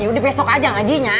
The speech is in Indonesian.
ya udah besok aja ngajinya